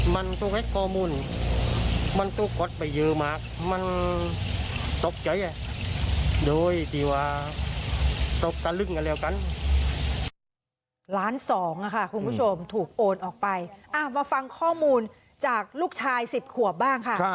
มาฟังข้อมูลจากลูกชายสิบขวบบ้างค่ะ